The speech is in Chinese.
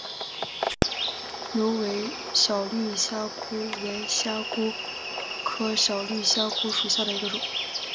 疣尾小绿虾蛄为虾蛄科小绿虾蛄属下的一个种。